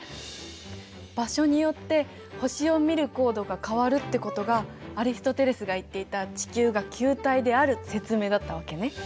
場所によって星を見る高度が変わるってことがアリストテレスが言っていた地球が球体である説明だったわけね。